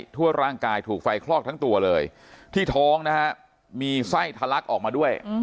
ทั่วร่างกายถูกไฟคลอกทั้งตัวเลยที่ท้องนะฮะมีไส้ทะลักออกมาด้วย